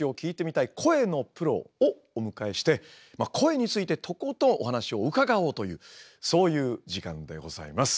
声のプロをお迎えして声についてとことんお話を伺おうというそういう時間でございます。